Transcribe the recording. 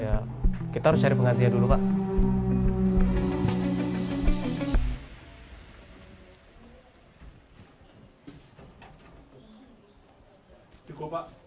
ya kita harus cari penggantian dulu pak